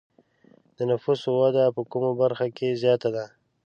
د نفوسو وده په کومه برخه کې زیاته ده؟